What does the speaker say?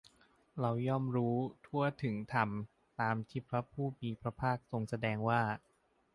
เราย่อมรู้ทั่วถึงธรรมตามที่พระผู้มีพระภาคทรงแสดงว่า